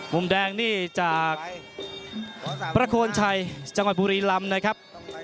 มุมแดงนี่จากประโคนชัยจังหวัดบุรีลำนะครับ